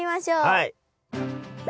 はい！